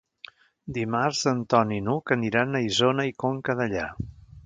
Dimarts en Ton i n'Hug aniran a Isona i Conca Dellà.